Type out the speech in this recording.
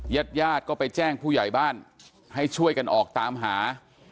ญาติญาติก็ไปแจ้งผู้ใหญ่บ้านให้ช่วยกันออกตามหา